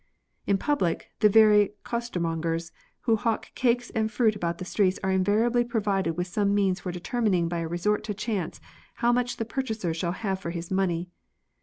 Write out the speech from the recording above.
In public, the very costermongers who hawk cakes and fruit about the streets are invari ably provided with some means for determining by a resort to chance how much the purchaser shall have for his money.